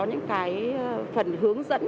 những phần hướng dẫn